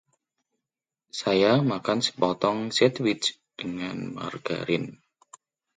Saya makan sepotong sandwich dengan margarin.